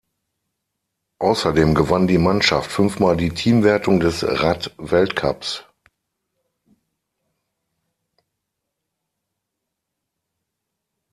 Außerdem gewann die Mannschaft fünfmal die Teamwertung des Rad-Weltcups.